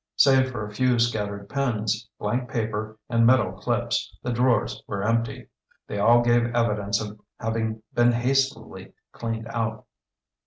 Save for a few scattered pins, blank paper and metal clips, the drawers were empty. They all gave evidence of having been hastily cleaned out.